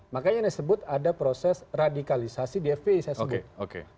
makanya disebut ada proses radikalisasi di fpi saya sebut